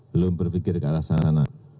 belum berpikir ke arah sana